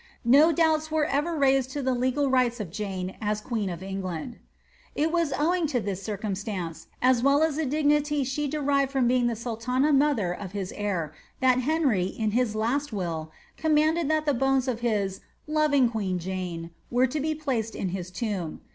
No doubu were ever raised to tlic legal rights of Jane as ({ueen of England. It was owing to tliis circumstance, as well as the dignity she derived from being the sultuna moiher of his heir, that Henry, in his last will, commanded that the bones of tiis ^ loving queen Jane'' were to be placed in his tomb.